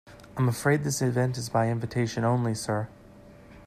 I'm afraid this event is by invitation only, sir.